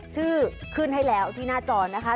ขึ้นให้แล้วที่หน้าจอนะคะ